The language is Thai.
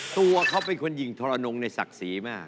ตัวเเค้าเป็นคนยิ่งทรนมในศักย์ศรีมาก